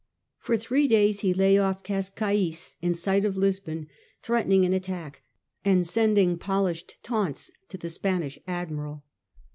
For three days he lay off Cascaes in sight of Lisbon, threatening an attack and sending polished taunts to the Spanish admiral.